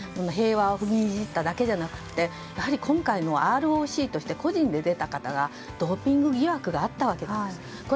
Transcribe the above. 平和を踏みにじっただけじゃなくてやはり今回のＲＯＣとして個人で出た方がドーピング疑惑があったわけです。